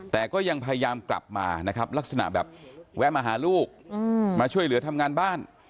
แต่ก็ยังพยายามกลับมานะครับลักษณะแบบแวะมาหาลูกมาช่วยเหลือทำงานบ้าน